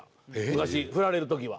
昔振られる時は。